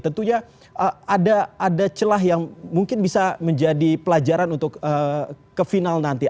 tentunya ada celah yang mungkin bisa menjadi pelajaran untuk ke final nanti